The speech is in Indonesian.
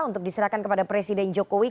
untuk diserahkan kepada presiden jokowi